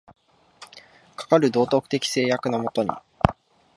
かかる道徳的制約の下に、